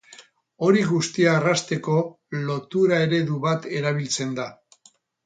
Hori guztia errazteko, lotura-eredu bat erabiltzen da.